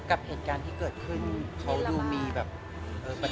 กับเหตุการณ์ที่เกิดขึ้นเขาดูมีแบบ